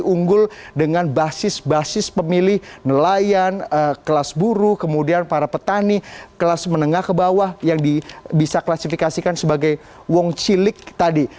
unggul dengan basis basis pemilih nelayan kelas buru kemudian para petani kelas menengah ke bawah yang bisa klasifikasikan sebagai wong cilik tadi